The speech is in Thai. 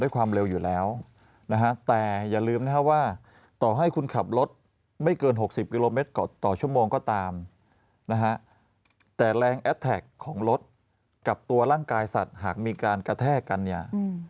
ความเร็วอยู่แล้วนะฮะแต่อย่าลืมนะฮะว่าต่อให้คุณขับรถไม่เกิน๖๐กิโลเมตรต่อชั่วโมงก็ตามนะฮะแต่แรงแอดแท็กของรถกับตัวร่างกายสัตว์หากมีการกระแทกกันเนี่ย